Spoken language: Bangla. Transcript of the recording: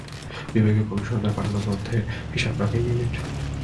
বিভাগীয় কমিশনারদের পাঠানো তথ্যের হিসাব রাখে এই ইউনিট।